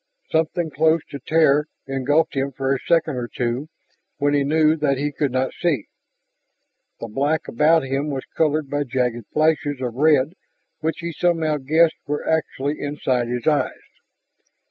Something close to terror engulfed him for a second or two when he knew that he could not see! The black about him was colored by jagged flashes of red which he somehow guessed were actually inside his eyes.